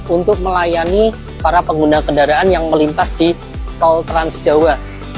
untuk melayani para pengguna kendaraan yang melintas di tol trans jawa